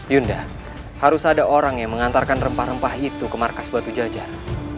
yunda harus ada orang yang mengantarkan rempah rempah itu ke markas batu jajar